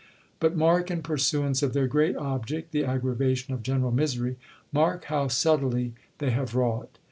But mark, in pursuance of their great object, (the aggravation of general misery), mark how subtilly they have wrought.